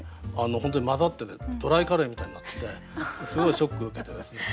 本当に混ざっててドライカレーみたいになっててすごいショックを受けてですね。